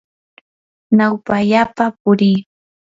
nawpallapa purii.